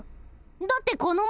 だってこの前。